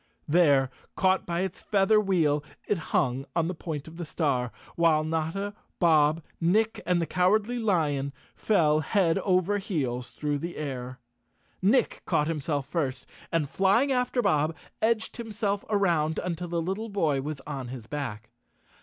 There, caught by its feather wheel, it hung on the point of the star, while Notta, Bob, Nick and the Cow¬ ardly Lion fell head over heels through the air. Nick caught himself first and, flying after Bob, edged him¬ self around until the little boy was on his back.